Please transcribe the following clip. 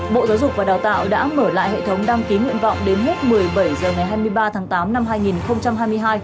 bộ giáo dục và đào tạo đã mở lại hệ thống đăng ký nguyện vọng đến hết một mươi bảy h ngày hai mươi ba tháng tám năm hai nghìn hai mươi hai